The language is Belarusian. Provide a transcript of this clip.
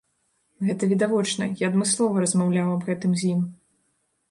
Гэта відавочна, я адмыслова размаўляў аб гэтым з ім.